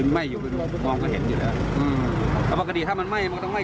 มันต้องไหม้กล้องขยักใช่ไหมฮะอันนี้มันทำไมมีไหม้ทางไหน